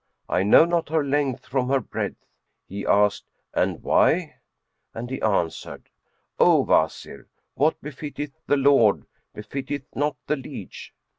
I know not her length from her breadth." He asked "And why?" and he answered, "O Wazir, what befitteth the lord befitteth not the liege."